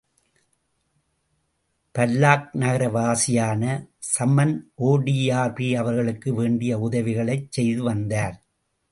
பல்லாக் நகர வாசியான சம்ன் ஒ டிபிர் அவர்களுக்கு வேண்டிய உதவிகளைச் செய்து வந்தார்.